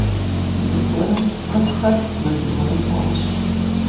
Зэгуэрым цӀыхухэр мэз гуэрым кӀуащ.